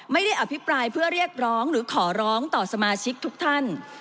อภิปรายเพื่อเรียกร้องหรือขอร้องต่อสมาชิกทุกท่าน